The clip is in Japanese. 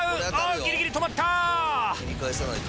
ギリギリ止まった！